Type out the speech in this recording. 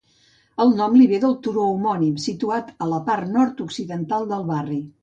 El nom li ve del turó homònim, situat a la part nord-occidental del barri.